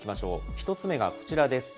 １つ目がこちらです。